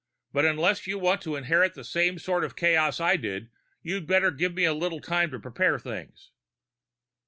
But unless you want to inherit the same sort of chaos I did, you'd better give me a little time to prepare things."